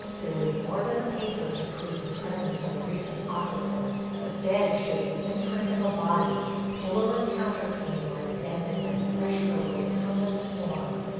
There was more than the paper to prove the presence of a recent occupant. The bed showed the imprint of a body; pillow and counterpane were indented by the pressure of a recumbent form.